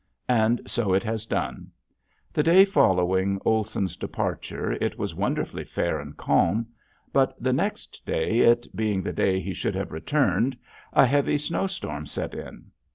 And so it has done. The day following Olson's departure it was wonderfully fair and calm, but the next day, it being the day he should have returned, a heavy snowstorm set in.